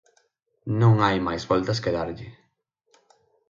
Non hai máis voltas que darlle.